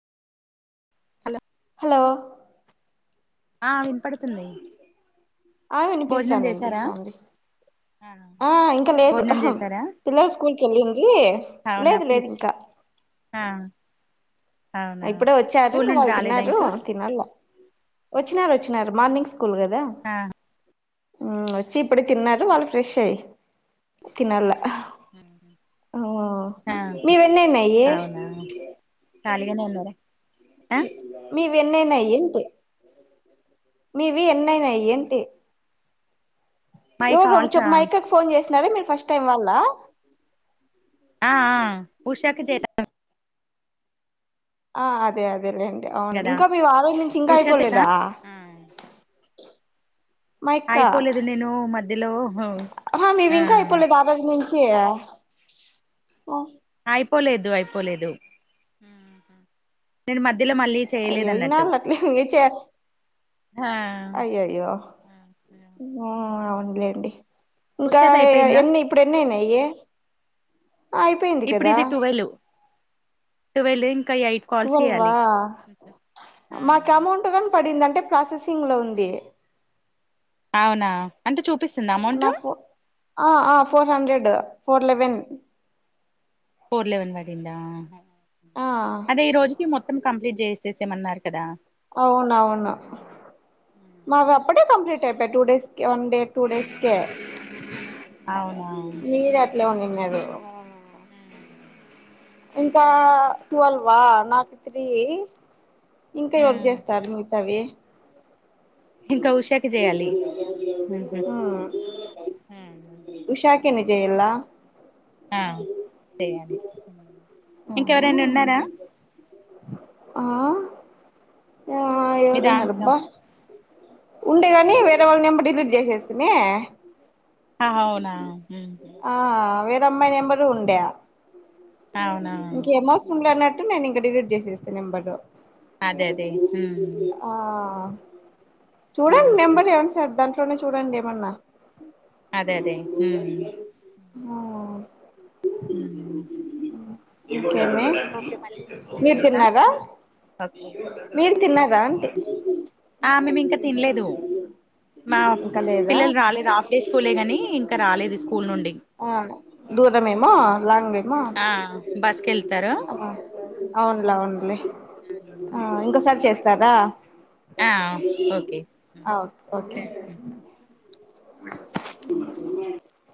hello hello ఆ విన్పడుతుంది అ వినిపిస్తాంది వినిపిస్తాంది ఆ ఇంక లేదు భోజనం చేసారా పిల్లలు స్కూల్కేళ్ళిందీ అవునా లేదు పిల్ లేదింకా ఆ అవునా ఇప్పుడే ఒచ్చారు స్కూల్ ఇంక నుండి వాళ్ళు రాలేదా తిన్నారు ఇంకా తినాల్ల ఒచ్చినారు ఒచ్చినారు మార్నింగ్ స్కూ ల్ గదా ఆ ఊ ఒచ్చి ఇప్పుడె తిన్నారు వాళ్ళు ఫ్రెష్ అయ్ తినల్ల ఆహ మీవెన్నయినాయి అవునా కాలిగనె ఉన్నార మీవి ఎన్నైనయేన్టి మీవి ఎన్ నైనయేన్టి మై యేవరరెవరొ కాల్సా చెప్మా యెక్కడికి ఫోన్ చేసినారే మీరు ఫస్ట్ తెవళ్లా ఆ ఆ ఉషకు చె [unintelligible] ఆ అదే అదె అంతేలేండి అవును కదా ఇంకా మీవారోజు నుంచి ఇంకా ఉషా తెసా అయిపోలేదా మైక్క అయిపోలేదు నేను మధ్యలో అమ్మ ఆ మీవింకా అయిపోలేదా ఆ రోజు నుంచి [inaudible] అయిపోలేదు అయిపోలేదు నెను మద్ అయ్యో ఈన్నాల్లట్లే [unintelligible] ఆ అయ్యోయ్యో అవునులేండి ఇంకా ఉషాది అయిపోయిందా ఎన్ని ఇప్పుడు ఎన్నయినాయే ఆ అయిపోయింది కదా వెళ్లి ట్వల్వా ఆ మాకు అమౌంట్ కని పడిందం అంటే ప్రాసెసింగ్ లో ఉంది అవునా అంటె చూపిస్ నా ఫొ ఆ ఆ four hundred four eleven four eleven పడిందా ఆ అదే ఈ రోజుకి మొత్తం కంప్లీట్ చేసి చేసేమన్నారు కదా అవునవును మావి అప్పుడే కంప్లీట్ అయిపోయి టూ డేస్ కి వన్ డే టూడేస్కె అవునా మీరట్లే ఉన్నిన్నారు ఇంకా ట్వీల్వ నాకు త్రి ఇంకా ఎవరికి చేస్తారు మిగతావి ఇంకా ఉషాకి చేయాలి మ్మహు ఉషాకేన్ని చేయలా ఆ చేయండి అవునా ఇంకెవరనా ఉన్నారా ఆ మీ ఎవరున్నారు దాంట్లో అబ్బా ఉండే గాని వేరే వాళ్ళ నెంబర్ డిలీట్ చేసేస్థిమే ఆ అవునా ఆ వేరమ్మాయి నంబరు ఉండే అవునా ఇంకెమవసరం లే అన్నటు నేను ఇంక డెలీట్ చేసేస్థి నెంబడు అదే అదే ఆ చూడండి నెంబడు ఏమన్నా సార్ దాంట్లోనే చూడండి ఏమన్నా అదే అదే మ్మహ్ మ్మహ్ ఇంకేమి ఓకే మళ్ళీ నెక్స్ట్ టైం మీరు చేస్తా తిన్నారా ఓకే మీరు తిన్నారా అంటి ఆ మేమింకా తినలేదు మా ఇంకా లేదా పిల్లలు రాలేదు హాఫ్ డే స్కూలే కాని ఇంకా రాలేదు స్కూల్ నుండి ఆ దూరమేమో లాంగేమో ఆ బస్కి వెళ్తారు అవున్లే అవున్లే ఆ ఇంకోసారి చేస్తారా ఆ ఓకే ఓకే ఓకే